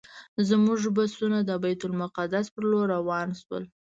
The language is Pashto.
زموږ بسونه د بیت المقدس پر لور روان شول.